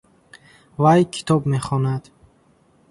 Вай китоб мехонад.